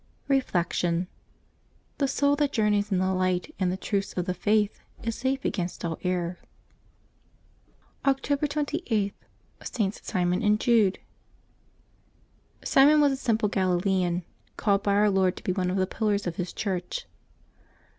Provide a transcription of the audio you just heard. Reflection. — *^The soul that journeys in the light and the truths of the Faith is safe against all error." October 28.— STS. SIMON and JUDE. [iMOX was a simple Galilean, called by Our Lord to be one of the pillars of His Church.